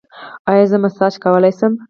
ایا زه مساج کولی شم؟